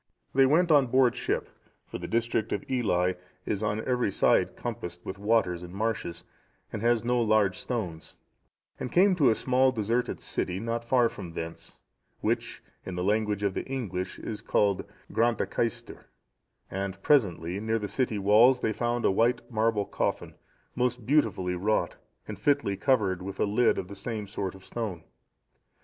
They went on board ship, for the district of Ely is on every side encompassed with water and marshes, and has no large stones, and came to a small deserted city, not far from thence, which, in the language of the English, is called Grantacaestir,(666) and presently, near the city walls, they found a white marble coffin,(667) most beautifully wrought, and fitly covered with a lid of the same sort of stone.